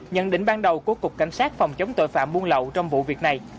nhận định ban đầu của cục cảnh sát phòng chống tội phạm buôn lậu trong vụ việc này